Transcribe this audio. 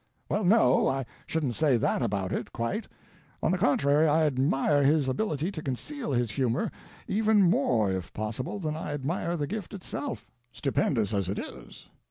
"Well, no, I shouldn't say that about it, quite. On the contrary, I admire his ability to conceal his humor even more if possible than I admire the gift itself, stupendous as it is.